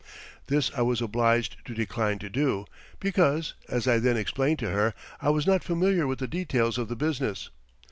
This I was obliged to decline to do, because, as I then explained to her, I was not familiar with the details of the business.